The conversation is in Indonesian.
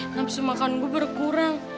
napsi makan gue berkurang